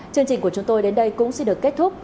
chương trình của chúng tôi đến đây cũng xin được kết thúc